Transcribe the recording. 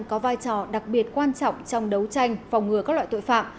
có vai trò đặc biệt quan trọng trong đấu tranh phòng ngừa các loại tội phạm